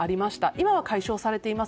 今は解消されています。